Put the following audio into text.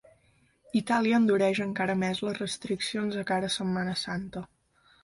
Itàlia endureix encara més les restriccions de cara a Setmana Santa.